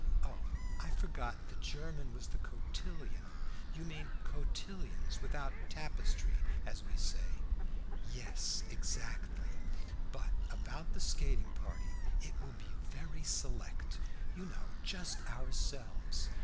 Oh, I forgot the German was the cotillon. You mean cotillons, without tapestry, as we say." "Yes, exactly. But about the skating party. It will be very select, you know; just ourselves.